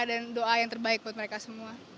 dan doa yang terbaik buat mereka semua